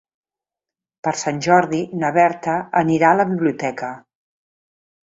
Per Sant Jordi na Berta anirà a la biblioteca.